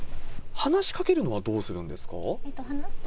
話しかけるのはどうするんですか？